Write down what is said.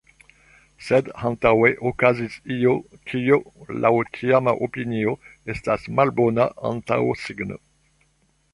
Sed antaŭe okazis io, kio, laŭ tiama opinio, estis malbona antaŭsigno.